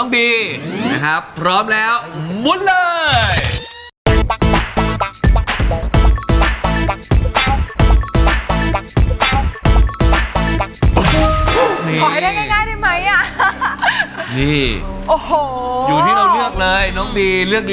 เดากันได้ง่ายดีมั้ย